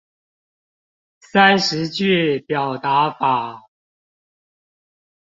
三十句表達法